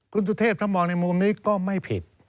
คุณสุเทพถ้ามองในมุมนี้ก็ไม่ผิด